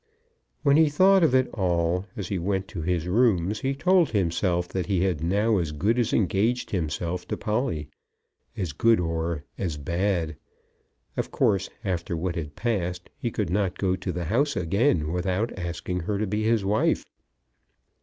When he thought of it all as he went to his rooms, he told himself that he had now as good as engaged himself to Polly; as good or as bad. Of course, after what had passed, he could not go to the house again without asking her to be his wife.